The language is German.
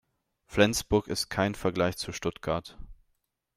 Flensburg ist kein Vergleich zu Stuttgart